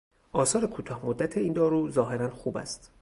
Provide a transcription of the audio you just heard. آثار کوتاه مدت این دارو ظاهرا خوب است.